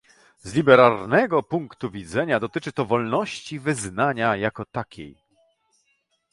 Z liberalnego punktu widzenia dotyczy to wolności wyznania jako takiej